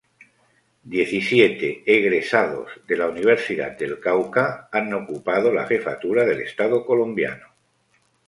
Diecisiete egresados de la Universidad del Cauca han ocupado la jefatura del Estado Colombiano.